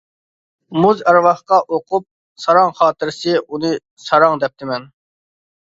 مۇز ئەرۋاھقا ئوقۇپ «ساراڭ خاتىرىسى» ئۇنى «ساراڭ» دەپتىمەن.